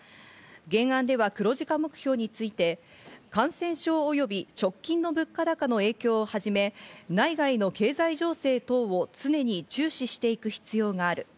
原案では黒字化目標について、感染症及び直近の物価高の影響をはじめ、内外の経済情勢等を常に注視していく必要がある。